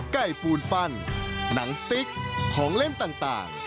ปูนปั้นหนังสติ๊กของเล่นต่าง